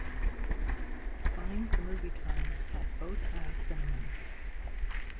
Find the movie times at Bow Tie Cinemas.